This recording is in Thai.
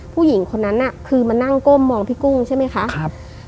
ผู้หญิงคนนั้นน่ะคือมานั่งก้มมองพี่กุ้งใช่ไหมคะครับ